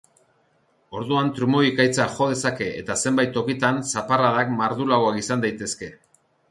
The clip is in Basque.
Orduan trumoi-ekaitzak jo dezake eta zenbait tokitan zaparradak mardulagoak izan daitezke.